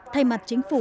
thay mặt chính phủ